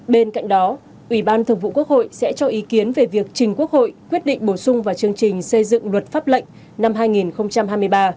bên cạnh đó ủy ban thường vụ quốc hội sẽ cho ý kiến về việc trình quốc hội quyết định bổ sung vào chương trình xây dựng luật pháp lệnh năm hai nghìn hai mươi ba